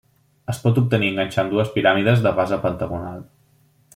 Es pot obtenir enganxant dues piràmides de base pentagonal.